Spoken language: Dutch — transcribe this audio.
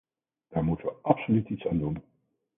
Daar moeten we absoluut iets aan doen!